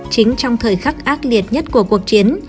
chính trong thời khắc ác liệt nhất của cuộc chiến